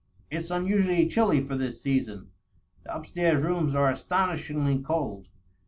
"It's unusually chilly for this season. The up stairs rooms are astonishingly cold.